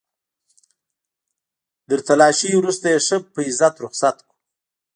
تر تلاشۍ وروسته يې ښه په عزت رخصت کړو.